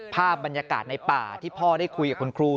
ภาพบรรยากาศในป่าที่พ่อได้คุยกับคุณครู